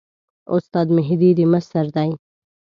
استاد مهدي د مصر دی.